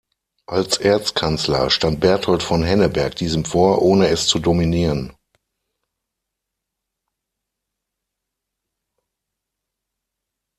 Als Erzkanzler stand Berthold von Henneberg diesem vor, ohne es zu dominieren.